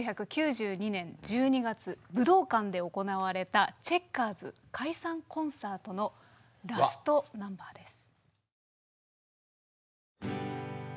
１９９２年１２月武道館で行われたチェッカーズ解散コンサートのラストナンバーです。